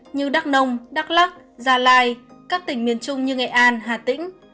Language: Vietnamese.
như đắk nông đắk lắc gia lai các tỉnh miền trung như nghệ an hà tĩnh